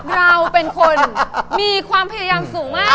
เราเป็นคนมีความพยายามสูงมาก